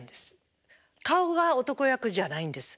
顔が男役じゃないんです。